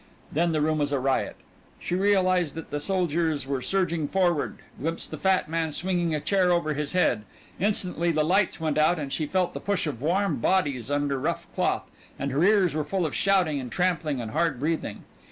Then the room was a riot. She realized that the soldiers were surging forward, glimpsed the fat man swinging a chair over his head instantly the lights went out and she felt the push of warm bodies under rough cloth, and her ears were full of shouting and trampling and hard breathing.